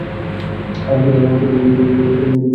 আকস্মিক আক্রমণে তিনটি জিপ বিচ্ছিন্ন হয়ে পড়ে।